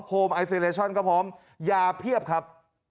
ไอซิเลชั่นก็พร้อมยาเพียบครับ